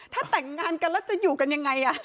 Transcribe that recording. ถ้าแต่งงานกันแล้วจะอยู่กันยังไง